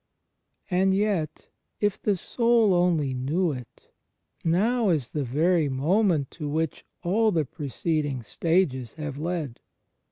* And yet, if the soul only knew it, now is the very moment to which all the preceding stages have led.